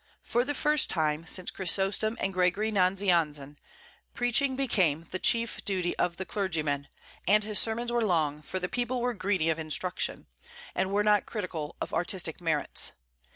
For the first time since Chrysostom and Gregory Nazianzen, preaching became the chief duty of the clergyman; and his sermons were long, for the people were greedy of instruction, and were not critical of artistic merits.